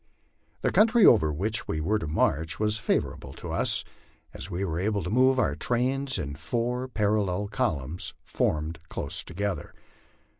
The country over which we were to march was favorable to us, as we were able to move our trains in four parallel columns formed close together.